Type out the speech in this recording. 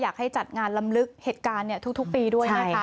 อยากให้จัดงานลำลึกเหตุการณ์ทุกปีด้วยนะคะ